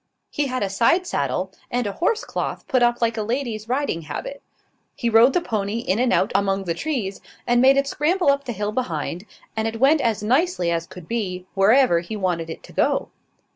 He had a side saddle, and a horse cloth put on like a lady's riding habit. He rode the pony in and out among the trees, and made it scramble up the hill behind, and it went as nicely as could be, wherever he wanted it to go.